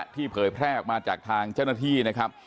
เผยแพร่ออกมาจากทางเจ้าหน้าที่นะครับ